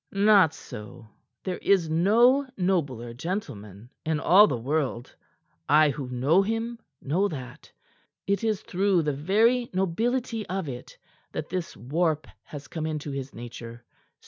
"Not so. There is no nobler gentleman in all the world. I who know him, know that. It is through the very nobility of it that this warp has come into his nature.